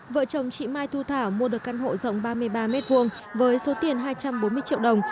vợ chồng chị mai thu thảo mua được căn hộ rộng ba mươi ba m hai với số tiền hai trăm bốn mươi triệu đồng